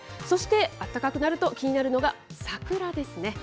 そして暖かくなると気になるのが桜ですね。